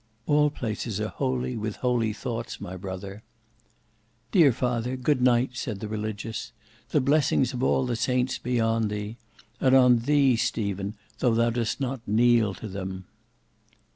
"All places are holy with holy thoughts, my brother." "Dear father, good night," said the Religious; "the blessings of all the saints be on thee,—and on thee, Stephen, though thou dost not kneel to them."